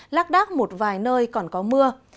lác đác một vài nơi còn có mưa